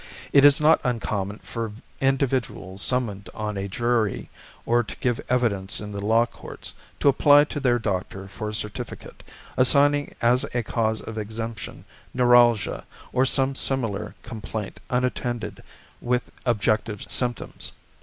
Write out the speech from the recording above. It is not uncommon for individuals summoned on a jury, or to give evidence in the law courts, to apply to their doctor for a certificate, assigning as a cause of exemption neuralgia, or some similar complaint unattended with objective symptoms.